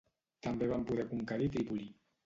També van poder conquerir Trípoli.